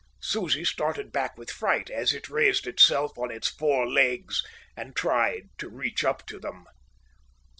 Susie started back with fright, as it raised itself on its four legs and tried to reach up to them.